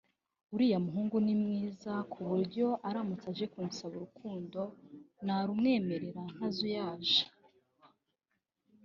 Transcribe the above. uriya muhungu ni mwiza kuburyo aramutse aje kunsaba urukundo narumwemerera ntazuyaje